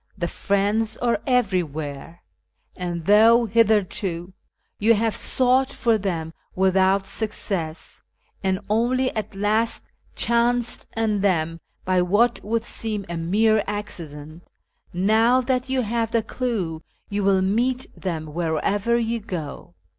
The ' Friends' are everywhere, and though hitherto you have sought for tlieni without success, and only at last chanced on them by what would seem a mere accident, now that you have the clue you will meet them wherever you go.